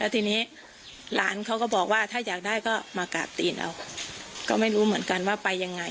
ทีนี้หลานเขาก็บอกว่าถ้าอยากได้ก็มากราบตีนเอาก็ไม่รู้เหมือนกันว่าไปยังไง